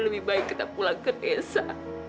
lebih baik kita pulang ke desa